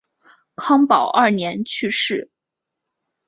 康保二年去世。